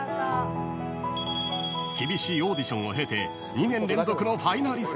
［厳しいオーディションを経て２年連続のファイナリストに］